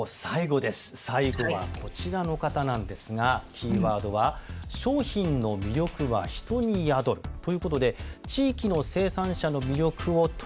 最後はこちらの方なんですがキーワードは「商品の魅力は“人”に宿る」ということで地域の生産者の魅力をとにかく伝えよう。